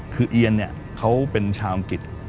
คือเอียนเนี่ยเขาเป็นชาวอังกฤษ